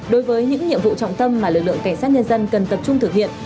đối với những nhiệm vụ trọng tâm mà lực lượng cảnh sát nhân dân cần tập trung thực hiện